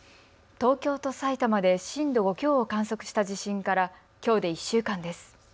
東京と埼玉で震度５強を観測した地震から、きょうで１週間です。